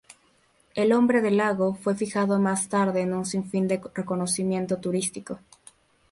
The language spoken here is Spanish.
El nombre del lago fue fijado más tarde en un fin de reconocimiento turístico.